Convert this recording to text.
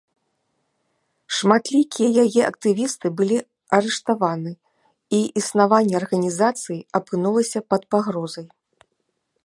Шматлікія яе актывісты былі арыштаваны, і існаванне арганізацыі апынулася пад пагрозай.